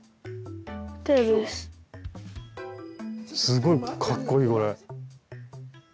すごいかっこいいこれ！